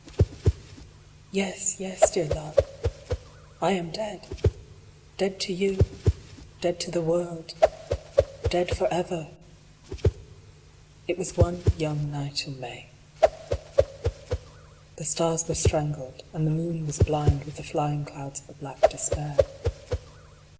I. "VT ES, yes, dear love ! I am dead ! Dead to you ! Dead to the world ! Dead for ever ! It was one young night in May. The stars were strangled, and the moon was blind with the flying clouds of a black despair.